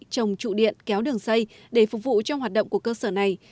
trồng trụ điện kéo đường xây để phục vụ cho hoạt động của cơ sở này